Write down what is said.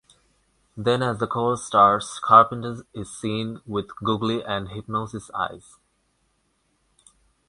Then as the chorus starts Carpenter is seen with googly and hypnosis eyes.